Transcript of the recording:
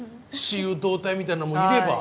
雌雄同体みたいなのもいれば。